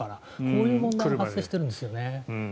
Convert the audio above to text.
こういう問題が発生しているんですね。